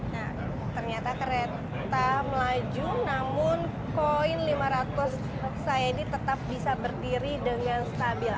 nah ternyata kereta melaju namun koin lima ratus saya ini tetap bisa berdiri dengan stabil